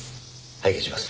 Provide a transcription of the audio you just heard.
拝見します。